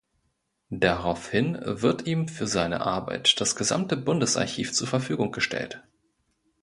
Daraufhin wird ihm für seine Arbeit das gesamte Bundesarchiv zur Verfügung gestellt.